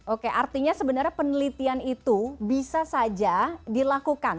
oke artinya sebenarnya penelitian itu bisa saja dilakukan